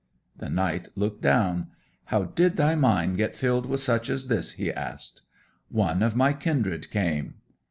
The knight looked down. 'How did thy mind get filled with such as this?' he asked. 'One of my kindred came.'